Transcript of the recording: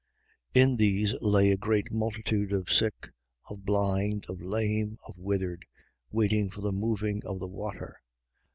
In these lay a great multitude of sick, of blind, of lame, of withered: waiting for the moving of the water.